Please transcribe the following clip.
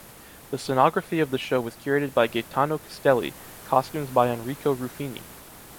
The scenography of the show was curated by Gaetano Castelli, costumes by Enrico Ruffini.